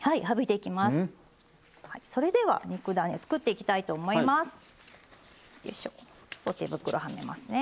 それでは、肉だねを作っていきたいと思います。